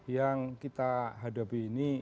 yang kita hadapi ini